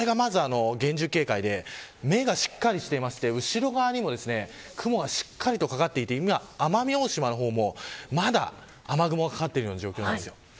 これがまず厳重警戒で目がしっかりしていて後ろ側にも雲がしっかりとかかっていて奄美大島の方も、まだ雨雲がかかっている状況です。